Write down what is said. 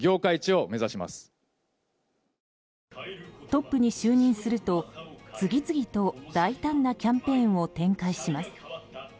トップに就任すると次々と大胆なキャンペーンを展開します。